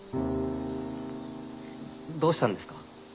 どうしたんですか？